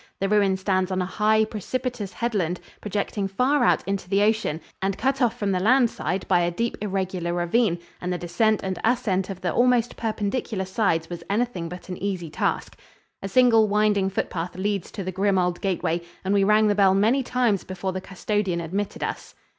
The ruin stands on a high, precipitous headland projecting far out into the ocean and cut off from the land side by a deep, irregular ravine, and the descent and ascent of the almost perpendicular sides was anything but an easy task. A single winding footpath leads to the grim old gateway, and we rang the bell many times before the custodian admitted us.